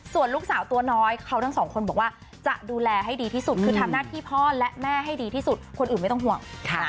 ส่วนลูกสาวตัวน้อยเขาทั้งสองคนบอกว่าจะดูแลให้ดีที่สุดคือทำหน้าที่พ่อและแม่ให้ดีที่สุดคนอื่นไม่ต้องห่วง